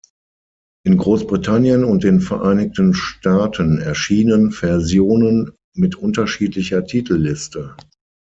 In Großbritannien und den Vereinigten Staaten erschienen Versionen mit unterschiedlicher Titelliste.